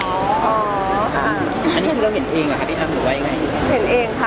อันนี้คือเราเห็นเองหรอคะพี่อ้ำหรือว่าอย่างไร